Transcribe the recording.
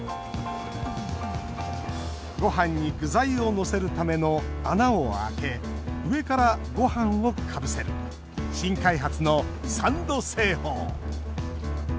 ごはんに具材をのせるための穴を開け上から、ごはんをかぶせる新開発のサンド製法。